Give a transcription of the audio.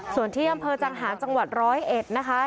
ส่วนที่อำเภอจังหาจังหวัดร้อยเอ็ดนะคะ